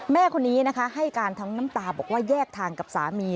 แม่คนนี้นะคะให้การทั้งน้ำตาบอกว่าแยกทางกับสามี